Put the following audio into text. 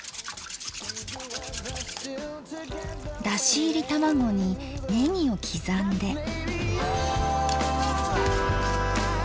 だし入り卵にねぎを刻んで。